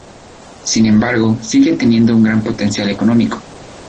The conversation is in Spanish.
Sin embargo, sigue teniendo un gran potencial económico.